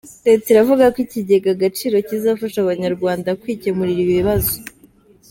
Leta iravuga ko Ikigega Agaciro kizafasha Abanyarwanda kwikemurira ibibazo